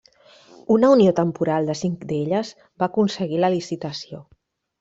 Una unió temporal de cinc d'elles va aconseguir la licitació.